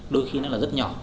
đôi khi nó là rất nhỏ